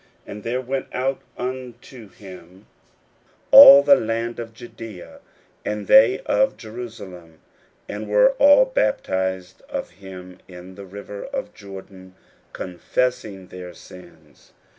41:001:005 And there went out unto him all the land of Judaea, and they of Jerusalem, and were all baptized of him in the river of Jordan, confessing their sins.